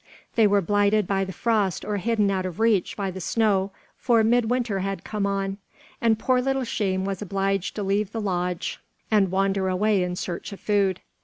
They were blighted by the frost or hidden out of reach by the snow, for midwinter had come on, and poor little Sheem was obliged to leave the lodge and wander away in search of food.